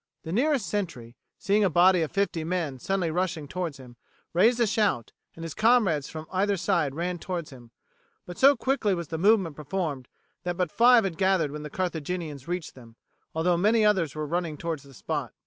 The nearest sentry, seeing a body of fifty men suddenly rushing towards him, raised a shout, and his comrades from either side ran towards him; but so quickly was the movement performed that but five had gathered when the Carthaginians reached them, although many others were running towards the spot.